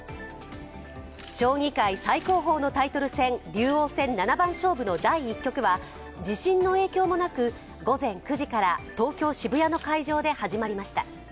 将棋界最高峰のタイトル戦、竜王戦七番勝負の第１局は地震の影響もなく、午前９時から東京・渋谷の会場で始まりました。